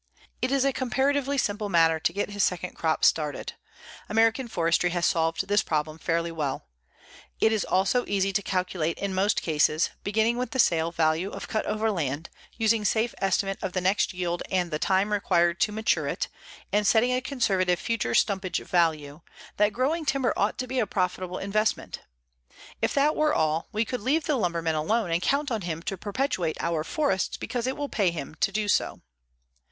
It is a comparatively simple matter to get his second crop started. American forestry has solved this problem fairly well. It is also easy to calculate in most cases, beginning with the sale value of cut over land, using safe estimate of the next yield and the time required to mature it, and setting a conservative future stumpage value, that growing timber ought to be a profitable investment. If that were all, we could leave the lumberman alone and count on him to perpetuate our forests because it will pay him to do so.